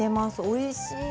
おいしい。